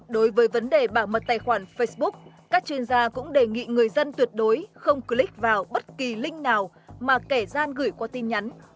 đối với vấn đề bảo mật tài khoản facebook các chuyên gia cũng đề nghị người dân tuyệt đối không click vào bất kỳ link nào mà kẻ gian gửi qua tin nhắn